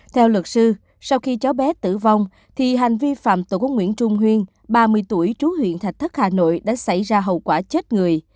theo luật sư sau khi cháu bé tử vong thì hành vi phạm tội của nguyễn trung huyên ba mươi tuổi trú huyện thạch thất hà nội đã xảy ra hậu quả chết người